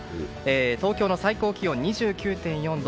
東京の最高気温２９．４度。